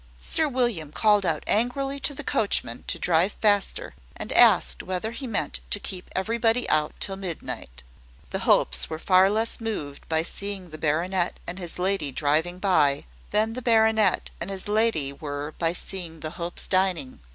Sir William called out angrily to the coachman to drive faster, and asked whether he meant to keep everybody out till midnight. The Hopes were far less moved by seeing the baronet and his lady driving by, than the baronet and his lady were by seeing the Hopes dining.